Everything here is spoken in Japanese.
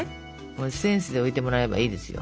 センスで置いてもらえばいいですよ。